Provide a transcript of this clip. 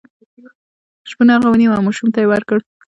شپون هغه ونیو او ماشومانو ته یې ورکړ.